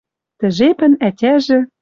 Тӹ жепӹн ӓтяжӹ